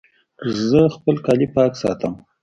زه خپل کالي پاک ساتم